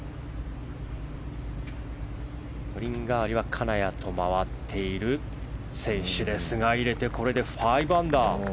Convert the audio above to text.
トリンガーリは金谷と回っている選手ですが入れて、５アンダー。